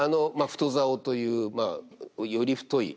太棹というより太い。